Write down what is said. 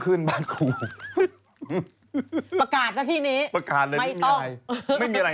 เรื่องอะไรคะ